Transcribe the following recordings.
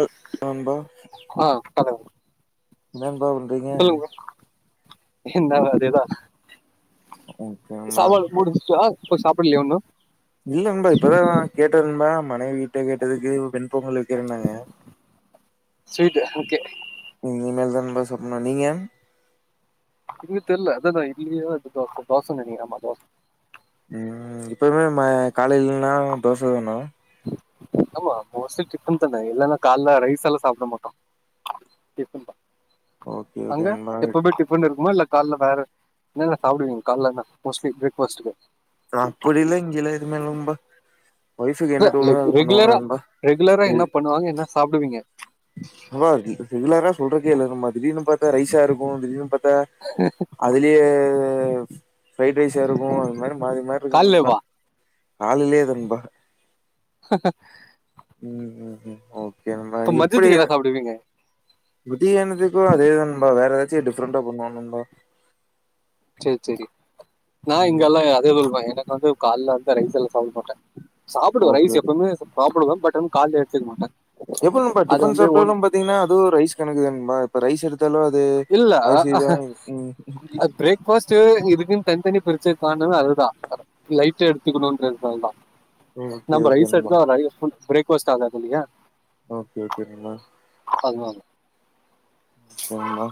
அ நண்பா ஆ கலவு என்ன நண்பா பண்றீங்க இந்தாலு அதேதா ஓகே நண்பா சவால் முடிஞ்சா போயி சாப்பில்யா ஒண்ணு இல்லா நண்பா இப்பதா கேட்டே நண்பா மனைவீட்ட கேட்டதுக்கு வெ வெண் பொங்கல் இருக்கிருனாங்க ஸ்வீட்டு ஓகே ம்பா சாப்புண்ணு நீங்கா இண்ணு தெர்ல அதேதா இட்டிலிகிலியு அத்து தோச தோச நெனைக்கிறே ஆமா தோச ம் இப்பவு மா காலைனா தோசதானா ஆமா மோஸ்ட்லி டிஃபன்தானே இல்லனா கால்ல ரைஸ் எல்லா சாப்ட மாட்டோ டிஃபன்தா ஓகே ஓகே அங்கே நண்பா எப்போமே டிஃபன் இருக்குமா இல்லே கால்லே வேற என்னென்னா சாப்ட்டுவீங்க கால்லே என்னா மோஸ்ட்லி ப்ரேக்ஃபாஸ்ட்க்கு அப்டிலா இங்கேலா எதுமே இல்லொம்பா இல்ல லைக் ரெகுலரா ரெகுலரா ரெகு என்னா பண்ணுவாங்கா என்னா சாப்ட்டுவீங்கே சொல்றகே இல்லா நண்பா திடீர்னு பாத்தா ரைஸ்சா இருக்கோ திடீர்னு பாத் த அதிலியே த இஃப் ஃப்ரைட் ரைஸ்சா இருக்கோ அந் மேடம் மாறி மாறிக்கோ நண்பா காலைலவா கால்லலேதா நண்பா ம் ம் ம் ஓகே நண்பா இப்ப எப்டி மதியத்துக்கு என்ன சாப்டுவீங்க மதியானத்துக்கு அதேதா நண்பா வேற ஏதாச்சு டிஃப்ரெண்டா பண்ணுவோ நண்பா சேரி சேரி நா இங்கெல்லா அதே குடுப்பாங்க எனக்கு வந்து கால்ல ரைஸ் எல்லா சாப்ட மாட்டே சாப்புடுவ ஓகே ரைஸ் ஓகே எப்பவுமே சாப்புடுவ பட் வந்து கால்லியே எப்டி நண்பா டிஃபன் சாப்ட்டாலு பாத்தீங்னா அதுவு ரைஸ் கணக்குதான நண்பா ரைஸ் எடுத் இல்ல ஆ ம் பிரேக் ஃபாஸ்ட் இதுக்குனு தனித்தனியா பிரிச்சதுக்கு காரணமே அதுதா லைட்டா எடுத்துக்கணுன்றதனாலதா ஓகே நம்ப ஓகே ரைஸ் நண்பா எடுத்தா நெறைய ஃபுட் பிரேக் ஃபாஸ்ட் ஆகாது இல்லியா ஓகே ஓகே நண்பா அதுமார் என்மா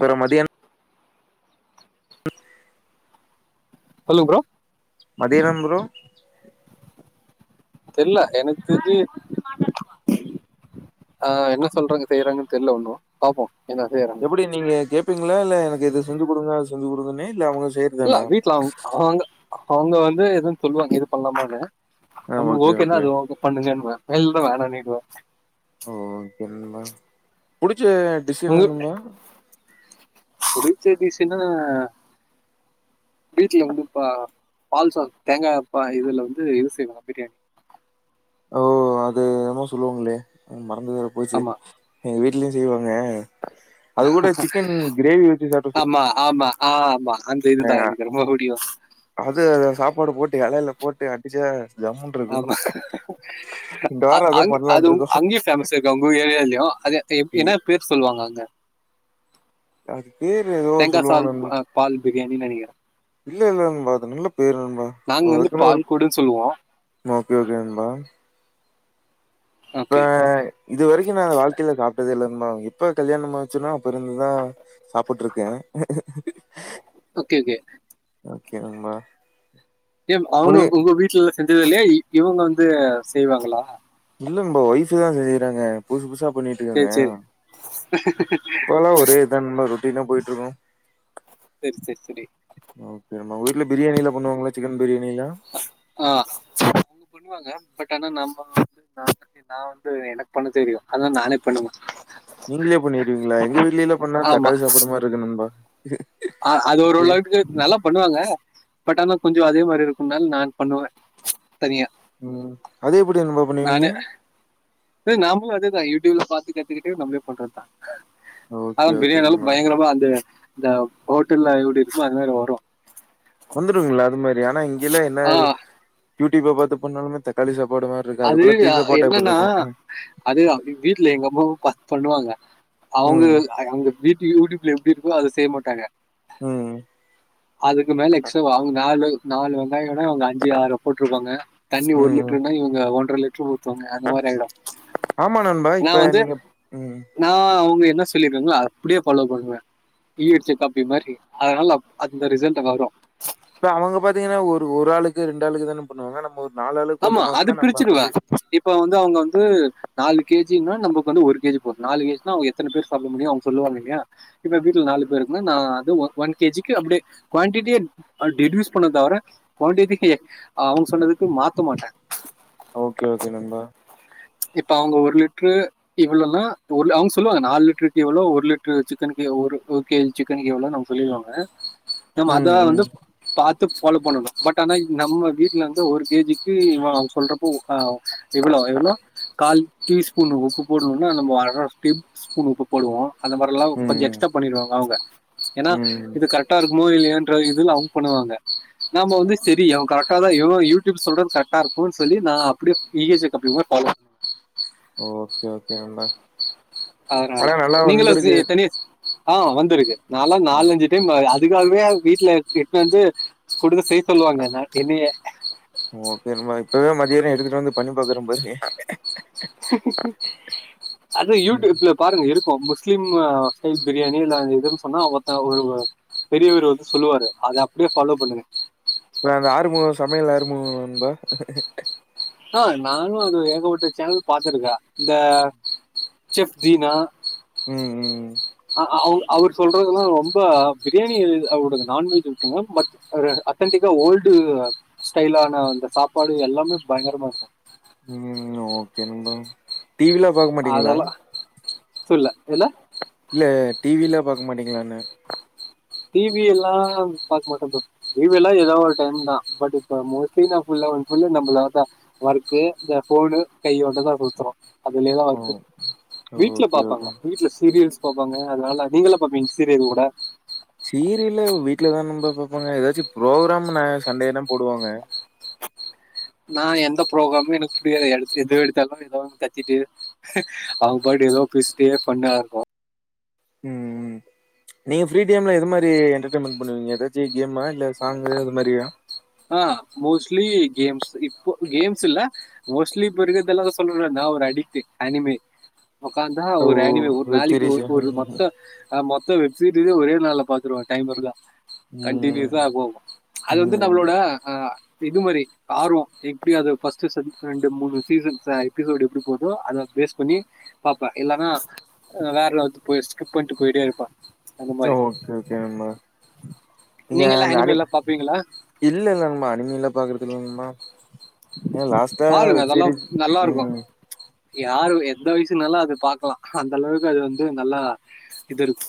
பெர மதியன் சொல்லுங் ப்ரோ மதியனப்ரோ தெர்ல எனக் இது ஆஹ் என்ன சொல்றாங்க செய்யறாங்கன் தெர்ல ஒண்ணு பாப்போ எப்புடி நீங்க கேப் பிங்ளா இல்ல எனக்கு இது செஞ்சு குடுறா சொல்லி குடுங்கனு இல்ல அவுங்க இல்லா வீட்ல அவுங் அவாங்க அவுங்க வந்து எதுன் சொல்லுவாங்க இது பண்லாமானு ஆ நம்ம ஓகே ஓகேனா ஓகே அது ஒக் பண்ணுங்கனுவ எல்டு வர நீ போ புடி ச்ச டிஸ்ஸு வேணுமா புடிச்ச டிஸ்ஸுன்னா வீட்டுல வந்து பா - பால்சாது தேங்காப்பா இதுல வந்து இது செய்வாங்க பிரியாணி ஓ அது என்மோ சொல்லுவாங்குளே மறந்துவேற போய்ச்சு ஆமா எங்கவீட்ல்யு செய்வா ங்க அது கூட சிக்கன் கிரேவி வச்சு சாப்ட்டா சு ஆமா ஆமா ஆமா அந்த இது தா எனக்கு ரொம்போ பு திவஸ் ப்டி எலேல போட்டு அடிச்சா ஜம்முனு இருக்கும். ஆமா இந்த அ வாரம் - அதான் அங் பண்ணலான்ட்டு அதுவு இருக்கோம். அங்யே பேமஸ் இருக்கா உங்குர் ஏரியால்யு அது பேம் இ என்ன பேர் சொல்லுவாங்கோ அங்க அது பேரு எதோர் சொல்லுவாங்க நண் பிரியாணி நெனைக்கி இல்ல இல்லன்பா அது நல்லப் பேர் நண்பா நாங்க ஒ வந்து அதுக்குன்னு ஒரு பால் கொடுன்னு சொல்லுவோம் ஒகே கெண்பா ஓகே அஹ் இது வரைக்கு நா அத வாழ்க்கேல சாப்ட்டதே இல்ல இன்மா எப்ப கல்யாணம் ஆச்சுன்னா புரிஞ்சுதா சாப்புட்ருக்கே ஓகே ஓகே எதும்மா ஏன் அவுங்கள்க்கு உங்க வீட்டுல்ல செஞ்சது இல்லை இவுங்க வந்து செய்வாங்களா இல்லங்புரோ ஒய்ஃபுதா செய்றாங்க புதுசு புசா குக்பண்ணிட்டிரிக்காங்க சேரி சேரி அப்பலா ஒரே இதான் மறுப் அப்படின்ன போயிட்டுருக்கோம் செரி செரி செரி ல பிரியாணில பண்ணுவாங்களா சிக்கன் பிரியாணிலாம்? ஆஹா பண்ணுவாங்க பட் ஆனா நம்ப நா வந்து நா வந்து எனக்கு பண்ண தெரியு அதுனால நானே பண்ணுவ நீங்களே பண்ணிருவீங்களா எங்க வீட்டுலயல்ல பண்ணா தக்காளி சாப்படு மாரி இருக்கு நண்பா அஹ அது ஒரு ளாவுக்கு நல்லா பண்ணுவாங்க பட் ஆனா கொஞ்சோ அதே மாரி இருக்கும்னால நான் பண்ணுவ தனியா உம் அதுஎப்புடி படி நண்பா பண்ணுவீங்க ஆ நாமளு அதேதா யூடியூப்ல பாத்து கத்துக்கிட்டு நம்மளே பண்றதுதா ஓகே, அது ஓகே பரியாானி எல்லா நண்பா. பயங்கரமா அந்துருவா இந்த ஹோட்டல்ல யூடியூப்ஸ்லா இந்தமாரி வரு வந்துருங்களா அது மாதிரி ஆனா இங்கல்ல என்ன ஆஹ் யூடியூப் அ பாத்து பண்ணாலுமே தக்காளி சாப் அது என்னன்னா அது வீட்டுல எங்க அம்மாவு பன்னூவாங்க அவுங்க ம். அங் அங்க வீட்லயு யூடியூப்ல எப்படி இருக்கோ அத செய்ய மாட்டாங்க உம் அதுக்கு மேல எக்ஸ்ட்ட அவுங்கா நாலு நாலு வெங்காயவிட அவங்க அஞ்சு ஆறு போட்டிருப்பாங்க தண்ணி ஒரு ம். ம். லிட்டருனா இவங்க ஒன்றரை லிட்டரு ஊத்துவாங்க அந்த மாரி ஆயிடு ஆமா நண்பா. நா இப்ப வந்து நீங்க ம். நா அவுங்க என்ன சொல்லிருக்காங்களோ அப்புடியே பலோ பண்ணுவா ஈயடிச்சா காப்பி மாதிரி அதனால அந்த ரிசல்ட் அங்க வரு இப்ப அவங்க பாத்தீங்கன்னா ஒரு ஒரு ஆளுக்கு ரெண்டு ஆளுக்குக்கு தானே பண்ணுவாங்க நம்ம ஒரு ஆளுக்கு பண்ற ஆமா மாரி அது இருந்தா நம்ம பிரிச்சன கொஞ்சம் இப்ப வந்து அவுங்க வந்து நாலு கேஜின்னா நமக்கு வந்து ஒரு கேஜி போதும் நாலு கேஜிாங்க எத்தனை பேர் சாப்பிட முடியும் அவுங்க சொல்லுவாங்க இல்லையா இப்ப வீட்டுல நாலு பேருக்குன்னா நா அது ஒன் கேஜிக்கு அப்படியே குவான்டிட்டியே ரெடியூஸ் பண்ணுவணே தவர குவண்டி அவுங்க சொன்னதுக்கு மா குத்த மாட்டா ஓகே ஓகே நண்பா இப்ப அவுங்க ஒரு லிட்டரு இவ்வளோனா அவுங்க சொல்லுவாங்க நாலு லிட்டருக்கு இவ்ளோ ஒரு லிடரு சிக்கன் க ஒரு கேஜி சிக்கனுக்குவ்ளோ அவங்க சொல்லிருவாங்க நம அத ம், ம். வந்து பா ஃபாலோ பண்ணணும் பட் ஆனா நம்ம வீட்டுல இருந்து ஒரு கேஜிக்கு சொல்றப்போ இவளோ இவளோ கால் டீ ஸ்பூன் உப்பு போடணும்னா நம்ம அர டீ ஸ்பூன் உப்பு போடுவோ அந்த மாதிர எல்லா ம், கொஞ்சோ ம். எக்ஸ்ட்ரா பண்ணிருவாங்க அவுங்க ஏன்னா ம். இது கரெக்டா இருக்குமோ இல்லையான்ற இதுல்ல அவங் பண்ணுவாங்க நாம வந்து செரி அவ கரெக்டாதா எவனோ யூடியூப் சொல்றது கரெக்டா இருக்கு சொல்லி நா அப்டியே இ எஸ் ஏ காப்பி மாரி ஃபாளே ஓகே, ஓகே நண்பா. அதனால ஆனா நல்லா நீங்களு சி வந்திருக்கு தனியா ஆ வந்திருக்கு நாலா நாலஞ்சு டைம் அ அதுக்காகவே வீட்ல எட்டுனுவந்து குடுக்க செய் ஓகே நண்பா இப்பவே மதியான எடுத் எடுத்துட்டு வந்து பண்ணி பாக்குற பாருங்க, அது யூடியூப்ல பாருங்க இருக் கு முஸ்லீம் அ ஸ்டைல் பிரியாணி இல்ல இதுன்னு சொன்னா ஒருத்த ஒரு பெரியவர் வந்து சொல்லுவாரு அத அப்டியே ஃபாலோ பண்ணுங்க பா ஆ நானு அது ஏகப்பட்ட சேனல் பாத்துருக்க இந்த செஃப் தீனா ம் ம் அ அ அவ அவரு சொல்றதுல்லா ரொம்ப பிரியாணி அவரோட நான்வெஜ் இருக்குங்க, பட் அத்தென்டிக்கா ஓல்டு ஸ்டைலான அந்த சாப்பாடு எல்லாமே பயங்கரமா இருக்கு, கே நண்பா டிவிலா பாக்க மாட்டீங்ளா என்ன இல்ல டிவி லா பாக்க மாட்டீங்களான்னு டிவி எல்லா பாக்க மாட்ட ப்ரோ டிவி எல்லா ஏதோ ஒரு டைம் தா பட் இப்ப மோஸ்ட்லி நா ஃபுல் அண் ஃபுல் நம்மள அதா ஒர்க்கு இந்த ஃபோனு கையோடதா சுத்துறோ அதுலேயதா ஓ ஒர்க்கு வீட்ல ஓகே பாப்பாங்க ஓகே வீட்ல சீரியல்ஸ் பாப்பாங்க அதனால நீங்கல்லா பாப்பீங்க சீரியல் கூட சீரியல்ல வீட்லதா நண்பா பாப்பாங்க ஏதாச்சு ப்ரோக்கிராம் ஞா சண்டே தா போடுவாங்க நா எந்த ப்ரோக்ராமே எனக்கு புரியாது எந் எது எடுத்தாலு ஏதோ ஒண்ணு கத்திட்டு அவங்க பாட்டுக்கு ஏதோ பேசிட்டே ஃபண்ணா இருக்கு ம்ம் நீங்க ஃப்ரீ டைம்ல எது மாரி என்டர்டன்மெண்ட் பண்ணுவீங்க ஏதாச்சு கேம்மா இல்ல சாங்கு அது மாரியா ஆ மோஸ்ட்லி கேம்ஸ் இப்போ கேம்ஸ் இல்ல மோஸ்ட்லி இப்ப இருக்கிறதெல்லா அதா சொன்னல்ல நா ஒரு அடிக்ட்டு அனிமே ஒக்காந்தா ஓ ஒரு அனிமே ஒரு வெப் நாளைக்கு சீரிஸ் ஒரு ஒரு மொத்தோ அ மொத்தோ சீரிஸ்ஸ ஒரே நாள்ல பாத்துருவே டைம் இருந்தா கண்டினியூஸா ம் போகு அது வந்து ம் நம்ளோட ஆ இது மாரி ஆர்வோ எப்டி அது ஃபர்ஸ்ட் செ ரெண்டு மூணு சீசன்ஸ் எபிசோடு எப்டி போதோ அத பேஸ் பண்ணி பாப்ப இல்லன்னா வேற நவுந்து போய் ஸ்கிப் பண்ணிட்டு போயிட்டே இருப்ப ஓகே ஓகே நண்பா நீங்க எல்லாம் இந்த அனி எல்லாம் பாப்பீங்களா இல்ல இல்ல நண்பா அனிமில பாக்றதில்ல நண்பா லாஸ்ட்டா சேரி ம் யாரும் எந்த வயசுனாலு அது பாக்கலா அந்த அளவுக்கு அது வந்து நல்லா இது இருக்கு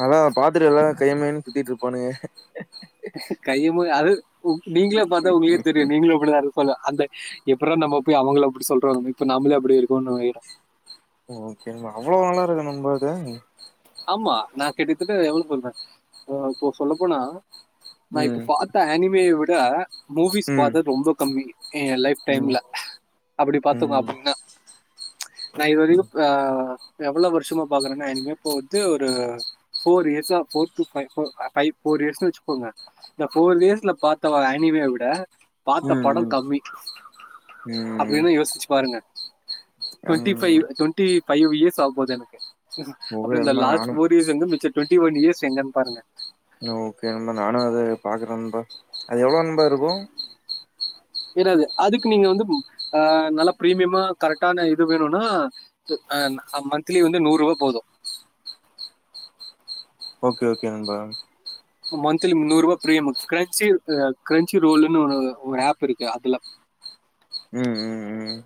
நல்லா பாத்துட்டு எல்லா கையமுயன்னு சுத்திட்டு இருப்பானுங்க கையமுய அது ஓ நீங்களே பாத்தா உங்களுக்கே தெரியு நீங்களு அப்டிதா இருப் அந்த எப்புறா நம்ம போய் அவுங்கள அப்டி சொல்றாங்க இப்ப நம்மளே அப்படி இருக்கும்றோனு ஆயி ஓகே அவ்வளோ நல்லா இருக்க நம்மது ஆமா நா கிட்டத்தட்ட எவ்வளவு சொல்ற இப்ப சொல்ல போனா நா இப்ப ம் பார்த்தா அனிமே இத மூவிஸ் ம் பாத்தது ரொம்ப கம்மி என் லைப் ம் ம் டைம்ல அப்டி பாத்துங்க ம் அப்டீன்னா நா இதுவரைக்கோ அ எவ்ள வருஷமா பாக்குறேனா எனக்கு இப்போ வந்து ஒரு ஃபோர் இயர்ஸா ஃபோர் டூ ஃப்பவ் போர் இயர்ஸ்ன்னு வெச்சுக்கோங்க இந்த ஃபோர் இயர்ஸ்ல பாத்த வாங்க அனிமை விட பாத்த படம் ம் கம்மி ம் அப்டீனா யோசிச்சு பாருங்க டுவென்ண்டி ம் ஃபைவ் டுவென்டி பஃபைவ் இயர்ஸ் ஆக போது எனக்கு அப்ப ஓகே இந்த நண்பா லாஸ்டு நானு ஃபோரியஸ் வந்து மிச்ச டுவெண்டி ஒன் இயர்ஸ் எங்கன்னு பாருங்க ஓகே நானு அதது பாக்குற நண்பா அது எவ்வளவு நண்பா இருக்கோ ஏராது அதுக்கு நீங்க வந்து அ நல்லா பிரீமியமா கரெக்டான இது வேணும்னா அ மன்த்லி வந்து நூறுபா போதோ ஓகே ஓகே நண்பா மந்த்த்லி முன்னூறு ரூபா் பிரியம் கிரன்ச்சி கிரன்ச்சி ரோல்லுனுு ஒரு ஆப் இருக்கு அதுல ம் ம் ம்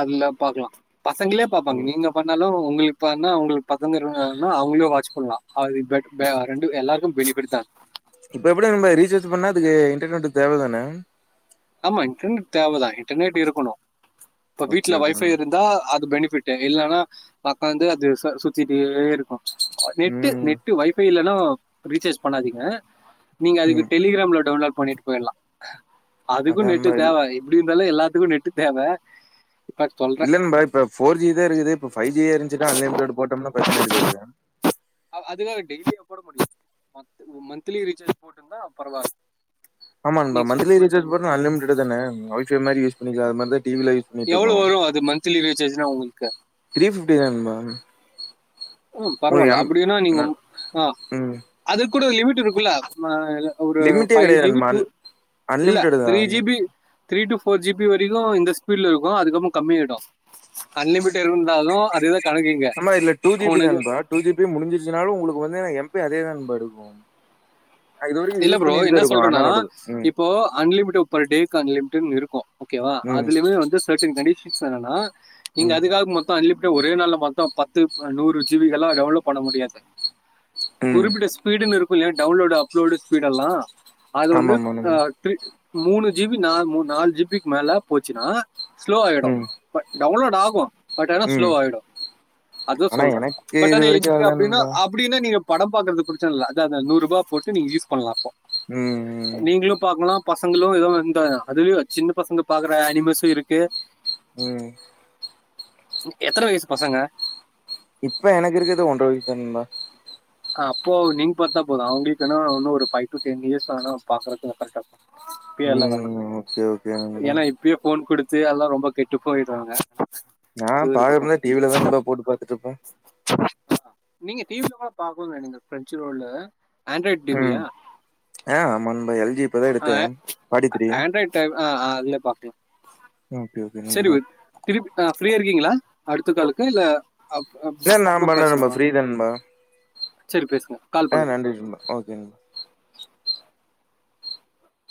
அதுல பாக்கலா பசங்களே ஓ. பாப்பாங்க நீங்க பண்ணாலோ உங்களுக்கு இப்ப என்னா அவுங்களுக்கு பக்கம் இருனா அவுங்களோ வாட்ச பண்ணலா அ இத் பெட பே ரெண்டு எல்லாருக்கோ வெசி படுத்தா இப்ப எப்படி நம்ம ரீசார்ஜ் பண்ணா அதுக்கு இன்டர்நெட் தேவதானே ஆமா இன்டர்நெட் தேவதா இன்டர்நெட் இருக்கணோ இப்ப வீட்ல ஓகே ஓகே வொய்ஃபை நண்பா இருந்தா அது பெனி ப்பட்டு இல்லன்னா பக்கோ வந்து அது சுத்திட்டே இருக்கோ நெட்டு ம் நெட்டு வைஃபை இல்ல னோ ரீசார்ஜ் பண்ணாதீங்க நீங்க அது ம் டெலிகிராம்ல டவுன்லோட பண்ணிட்டு போயிடலா அதுக்கோ அதா நெட்டு நண்பா இல் தேவ எப்படி இதெல்லா எல்லாத்துக்கோ நெட்டு தேவ இல்ல நண்பா இப்ப ஃபோர் ஜுது இக்குது இப்ப ஃபைவ் ஜி இருந்துச்சிட்டு அன்லிமிடட் போட்டம்னா பிரச்சன இருக்காது அதுக்காக டெய்லிய போட முடியு மந்த்லி ரீசார்ஜ் போட்டுந்தா பரவாயில்ல ஆமா நண்பா நீங்க சொல்ற மன்த்திலி மாதிரி ரிசார்ஜ் பண்ணி பண்ணா அன்லிமிடெட்தான வைஃபை மாரி யூஸ் பண்ணிக்கலா அது மாரிதா டி வி ல யூஸ் பன்னிட்டுருக்கோ எவ்வளவு வரும் அது மந்த்லி ரீசார்ஜ்னா உங்களுக்கு [unintelligible] பிரண்பா ஹும் பரவால்ல அப்டீன்னா நீங்க மு அஹ் ம் அது குடு லிமிட் இருக்குல்ல [unintelligible] இல்ல ஒரு லிமிட்டே ஃபைவ் கிடையாது ஜி பி நண்பா. டு அன் இல்ல அன்லிமிடெட் த்ரீ தான். G B three to four G B வரை இதுவு இந்த ஸ்பீடுல இருக்கு அதுக்கப்புறொ கம்மி ஆய்டு அன்லிமிட்டெடு இருந்தாலு அது நம்மா இதுல டூ ஜி பி நண்பா டூ ஜி பி முடிஞ்சிடுச்சினாலும் உள் க்கு வந்து எம் பெ அதேதா ண்பா எடுக்கு இல்ல ப்ரோ என்ன சொல்றனா ம். இப்போ அன்லிமிடு பெர் டேக்கு அன் லிமிடெட்னு இருக் கு ஓகேவா ம். அதிலுமே வந்து சர்டின் காண்டி [unintelligible] இங்க ம். அதிகா மொத்த [unintelligible] க்கே ஒரே நாள்ல மொத்த பத்து அஹ் நூறு ஜீவிகெல்லா டெவளப் பண்ண முடியாது ம். குறிப்பிட்ட ஸ்பீடுன் இருக் அப் ல டவுன்லோடு ஆப் குலோடு ஸ்பீடெல்லா அது ஆமா வந்து ஆமா அ நண்பா. த்ரி மூணு ஜி பி நா மு நாலு ஜி பிக் மேல போச்சுனா ஸ்லோ ஆய்டு ம். பட் டவுன்லோடு ஆகு பட் ஆனா ம். ஸ்லோவ் ஆயிடு அது ஆனா சொல்ற எனக்கு பட் இது ஆனா இ வரைக்கும் நீங்க ஆகல அப்டின்னா நண்பா. அப்புடின்னு நீங்க படம் பாக்றது பிரச்சனல்ல அது அத நூறுபா போட்டு நீ யூஸ் பண்ணலா அப்போ ம். ம். நீங்களு பாக்கலா பசங்களு எதொ இந்த அதுலயு சின்ன பசங்க பாக்குற ஆனிமஸு இருக்கு ம் எத்தன வயசு பசங்க இப்ப எனக்கிருக்கறது ஒன்ற வயசுதா நண்பா அஹ் அப்போ நீங் பாத்தா போது அவங்களுக்குனா இன்னு ஒரு ஃபைவ் டு டென் இயர்ஸ் ஆனா பாக்கரதுக்கு கரெக்டா இருக்கு இப்பயெல்லா வேணா ம் ஓகே ஓகே நண்பா ஏனா இப்பயே போன் குடுத் து அதுல்லா ரொம்ப கெட்டு போய்ராங்க நா பாக்குறதுனா டி வி லதா நண்பா போட்டு பாத்துட்டு இருப்ப நீங்க டி வி ல பா பாக்கனு நீங்க பிரென்ச்சு ரோல் ஆண்ட்ராய்டு டிவியா மண்பயல் ஆஹ் ஆண்ட்ராய்டு டைப் அ அதுல பாக்கலாம் ஓகே ஓகே சரி நண்பா திருப் ஃப்ரீயா இருக்கீங்களா அடுத்த காலுக்கு இல்ல அப் அப் இல்ல நா அப்புற பண்றே நண்பா பேசலாமா சரி பேச ஆஹ் நன்றி நண்பா ஓகேங்க